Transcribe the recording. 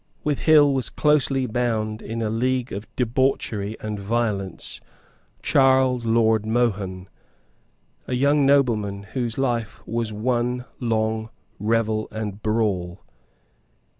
With Hill was closely bound in a league of debauchery and violence Charles Lord Mohun, a young nobleman whose life was one long revel and brawl.